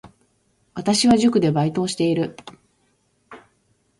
私は塾でバイトをしている